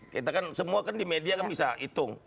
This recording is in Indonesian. kita kan semua kan di media kan bisa hitung